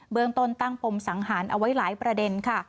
เมืองต้นตั้งปมสังหารเอาไว้หลายประเด็นค่ะ